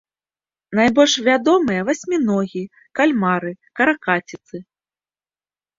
Найбольш вядомыя васьміногі, кальмары, каракаціцы.